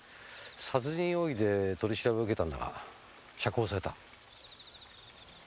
殺人容疑で取り調べを受けたんだが釈放された。